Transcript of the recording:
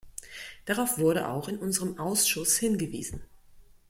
Darauf wurde auch in unserem Ausschuss hingewiesen.